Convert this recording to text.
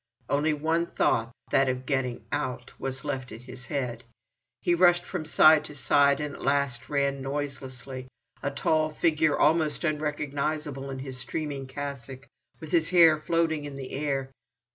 Only one thought, that of getting out, was left in his head. He rushed from side to side, and at last ran noiselessly, a tall figure, almost unrecognizable in his streaming cassock, with his hair floating on the air.